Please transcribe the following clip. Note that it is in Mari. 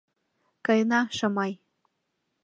Каена, Шамай.